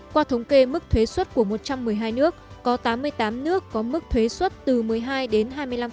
qua thống kê mức thuế xuất của một trăm một mươi hai nước có tám mươi tám nước có mức thuế xuất từ một mươi hai đến hai mươi năm